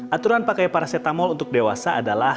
aturan pakai paracetamol untuk dewasa adalah